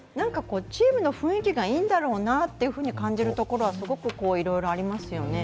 チームの雰囲気がいいんだろうなと感じるところはすごくいろいろありますよね。